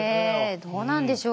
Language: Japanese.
どうなんでしょう。